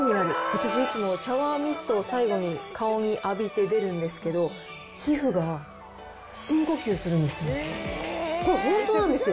私いつも、シャワーミストを最後に顔に浴びて出るんですけど、皮膚が深呼吸するんですよ。